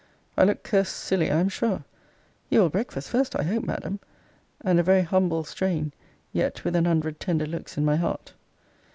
I looked cursed silly, I am sure. You will breakfast first, I hope, Madam; and a very humble strain; yet with an hundred tender looks in my heart.